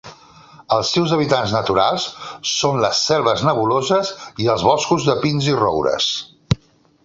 Els seus hàbitats naturals són les selves nebuloses i els boscos de pins i roures.